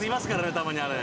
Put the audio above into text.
たまにあれ。